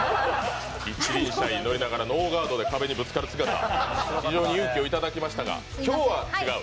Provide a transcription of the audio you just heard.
一輪車に乗りながらノーガードで壁にぶつかる姿、非常に勇気を頂きましたが今日は違う。